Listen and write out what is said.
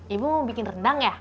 ibu bikin rendang ya